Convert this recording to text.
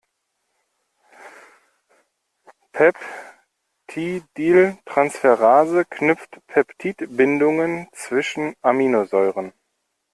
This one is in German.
Peptidyltransferase knüpft Peptidbindungen zwischen Aminosäuren.